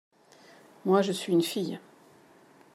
Moi, je suis une fille.